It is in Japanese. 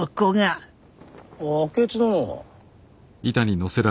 あ明智殿。